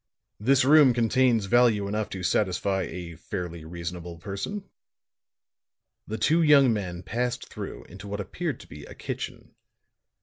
This room contains value enough to satisfy a fairly reasonable person." The two young men passed through into what appeared to be a kitchen.